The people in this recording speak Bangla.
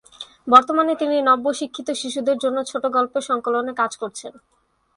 বর্তমানে তিনি নব্য-শিক্ষিত শিশুদের জন্য ছোটগল্পের সংকলনে কাজ করছেন।